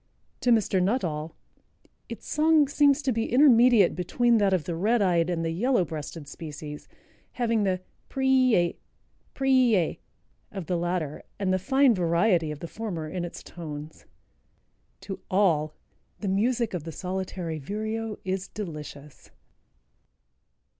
To Mr. Nuttall "its song seems to be intermediate between that of the red eyed and the yellow breasted species, having the 'preai, preai,' of the latter and the fine variety of the former in its tones." To all "the music of the Solitary Vireo is delicious."